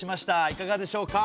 いかがでしょうか？